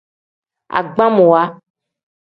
Agbamwa.